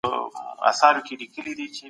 کافي د پوستکي د سرطان خطر کموي.